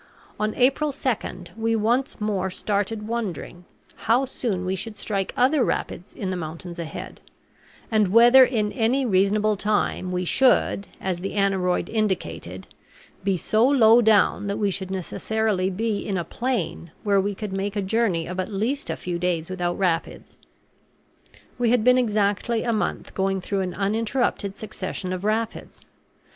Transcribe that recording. On April 2 we once more started, wondering how soon we should strike other rapids in the mountains ahead, and whether in any reasonable time we should, as the aneroid indicated, be so low down that we should necessarily be in a plain where we could make a journey of at least a few days without rapids. We had been exactly a month going through an uninterrupted succession of rapids.